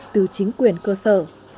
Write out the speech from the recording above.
từ chính quyền cơ sở